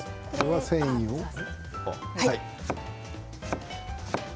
繊維をね。